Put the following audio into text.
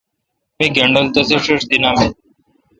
می گینڈل تی ݭݭ دی نامین۔